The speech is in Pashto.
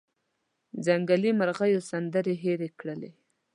ځنګلي مرغېو سندرې هیرې کړلې